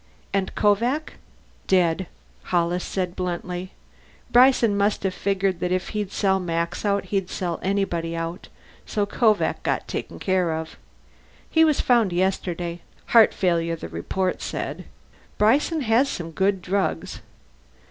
"And Kovak?" "Dead," Hollis said bluntly. "Bryson must have figured that if he'd sell Max out he'd sell anybody out, so Kovak got taken care of. He was found yesterday. Heart failure, the report said. Bryson has some good drugs.